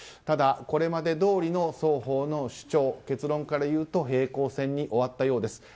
ただこれまでどおりの双方の主張結論から言うと平行線に終わったようです。